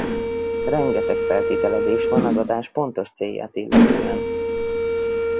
Rengeteg feltételezés van az adás pontos célját illetően.